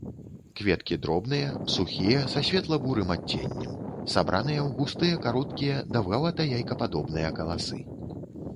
Кветкі дробныя сухія са светла-бурым адценнем, сабраныя ў густыя кароткія даўгавата-яйкападобныя каласы.